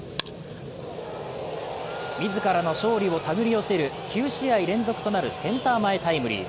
自らの勝利をたぐり寄せる９試合連続となるセンター前タイムリー。